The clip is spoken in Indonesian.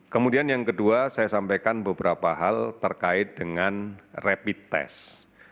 kemudian yang kedua saya sampaikan beberapa hal terkait dengan rapid test